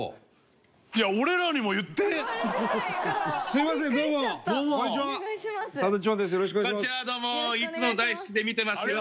いつも大好きで見てますよ。